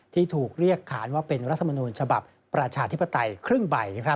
ที่ถูกเรียกขานว่าเป็นรัฐมนูญฉบับประชาธิปไตยครึ่งใบ